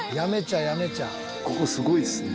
ここすごいですね。